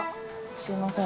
すいません。